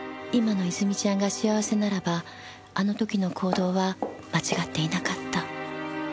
今の泉ちゃんが幸せならばあの時の行動は間違っていなかった。